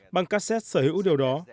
băng cassette sở hữu điều đó